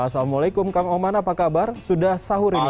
assalamualaikum kang oman apa kabar sudah sahur ini